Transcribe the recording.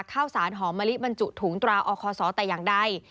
ข้าวสารหอมลิตบรรจุถุงตัวออกข้อสอแต่ยังได้